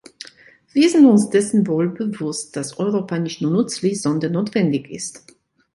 Wir sind uns dessen wohlbewusst, dass Europa nicht nur nützlich, sondern notwendig ist.